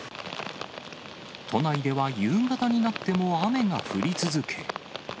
都内では夕方になっても雨が降り続け。